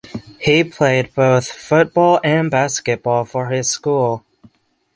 He played both football and basketball for his school.